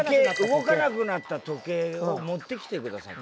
動かなくなった時計を持ってきてください。